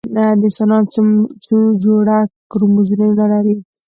انسان څو جوړه کروموزومونه لري؟